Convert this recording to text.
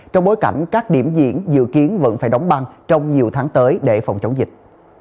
trong bối cảnh các điểm diễn dự kiến vẫn phải đóng băng trong nhiều tháng tới để phòng chống dịch